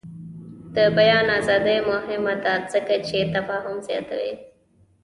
د بیان ازادي مهمه ده ځکه چې تفاهم زیاتوي.